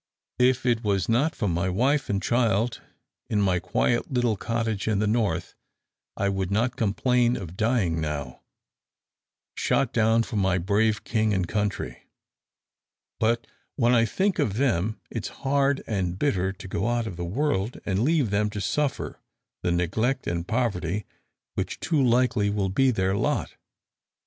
If it was not for my wife and child in my quiet little cottage in the north, I would not complain of dying now, shot down for my brave king and country. But when I think of them, it's hard and bitter to go out of the world, and leave them to suffer the neglect and poverty which too likely will be their lot!"